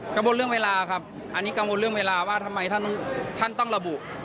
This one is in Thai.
กังวลเรื่องเวลาครับอันนี้กังวลเรื่องเวลาว่าทำไมท่านต้องระบุ